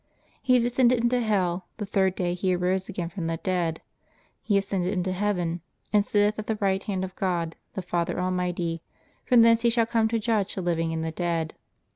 He descended into hell: the third day He arose again from the dead: He ascended into heaven, and sitteth at the right hand of God, the Father Almighty; from thence He shall come to judge the living and the dead.